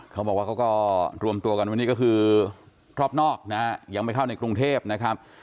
เขาบอกว่าเขาก็รวมตัวกันวันนี้ก็คือรอบนอกนะฮะยังไม่เข้าในกรุงเทพนะครับ